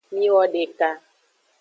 Miwodeka.